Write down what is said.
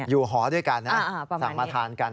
หอด้วยกันนะสั่งมาทานกัน